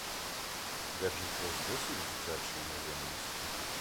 Держить вас досі в дитячій невинності?